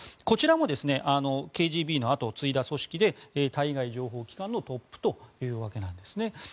こちらもＫＧＢの後を継いだ組織で対外情報機関のトップというわけなんですね。